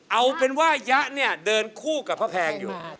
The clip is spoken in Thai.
เอาเป็นว่ายะเนี่ยเดินคู่กับพระแพงอยู่